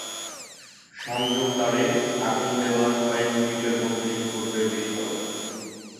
সংযোগ তারে আগুন দেওয়ার কয়েক মিনিটের মধ্যেই ঘটবে বিস্ফোরণ।